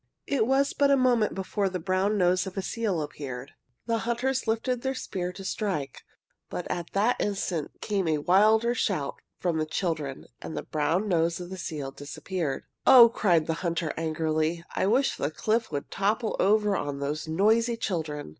It was but a moment before the brown nose of a seal appeared. The hunters lifted their spears to strike. But at that instant came a wilder shout from the children and the brown nose of the seal disappeared. "Oh," cried the hunter, angrily, "I wish the cliff would topple over on those noisy children!"